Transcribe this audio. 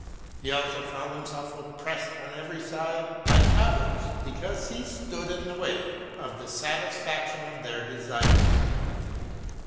He also found himself oppressed on every side by others, be cause he stood in the way of the satisfaction of their desires.